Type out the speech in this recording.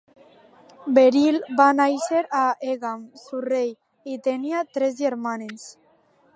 Beryl va néixer a Egham, Surrey, i tenia tres germanes.